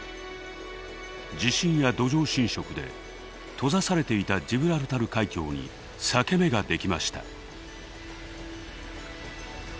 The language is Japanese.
地震や土壌侵食で閉ざされていたジブラルタル海峡に裂け目ができました。